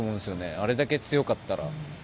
あれだけ強かったら。